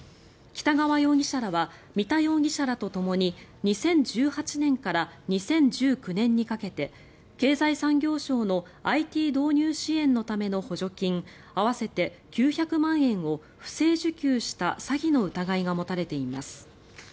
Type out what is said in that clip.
北川容疑者らは三田容疑者らとともに２０１８年から２０１９年にかけて経済産業省のＩＴ導入支援のための補助金合わせて９００万円を不正受給した詐欺の疑いが持たれています。